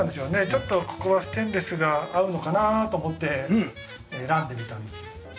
ちょっとここはステンレスが合うのかなと思って選んでみたんですけど。